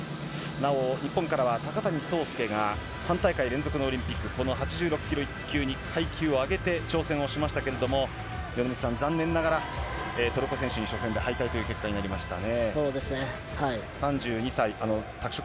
なお、日本からは高谷惣亮が３大会連続のオリンピック、この８６キロ級に１級階級を上げて挑戦をしましたけれども、米満さん、残念ながら、トルコ選手に初戦敗退という結果になりましたね。